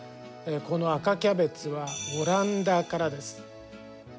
この赤キャベツはオランダからです。